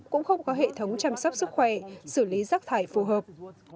cũng không có hệ thống chăm sóc sức khỏe xử lý rác thải phù hợp